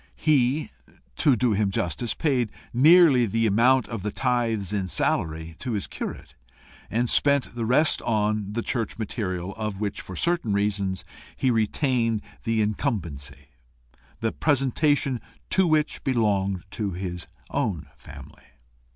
He, to do him justice, paid nearly the amount of the tithes in salary to his curate, and spent the rest on the church material, of which, for certain reasons, he retained the incumbency, the presentation to which belonged to his own family.